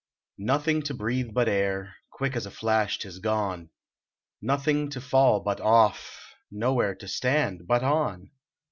Nothing to breathe but air Quick as a flash tis gone ; Nowhere to fall but off, Nowhere to stand but on.